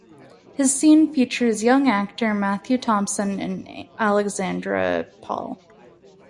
His scene features young actor Matthew Thompson and Alexandra Paul.